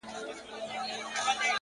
• لکه پتڼ وزر مي وړمه د سره اور تر کلي,